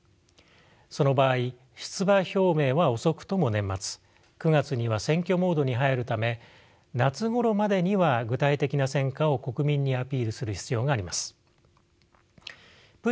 その場合出馬表明は遅くとも年末９月には選挙モードに入るため夏頃までには具体的な戦果を国民にアピールする必要があります。